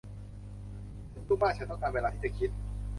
ฉันยุ่งมากฉันต้องการเวลาที่จะคิด